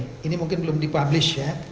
yang ini mungkin belum di publish ya